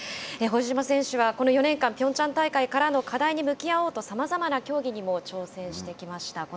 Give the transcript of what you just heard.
堀島選手はこの４年間ピョンチャン大会からの課題に向き合おうとさまざまな競技にも挑戦してきました。